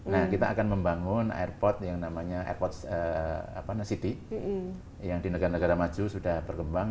nah kita akan membangun airport yang namanya airport city yang di negara negara maju sudah berkembang